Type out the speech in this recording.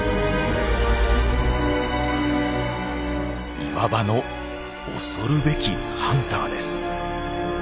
岩場の恐るべきハンターです。